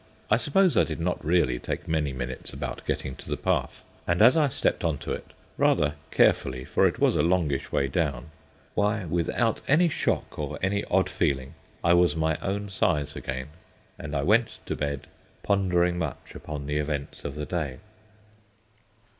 I suppose I did not really take many minutes about getting to the path; and as I stepped on to it rather carefully, for it was a longish way down why, without any shock or any odd feeling, I was my own size again. And I went to bed pondering much upon the events of the day.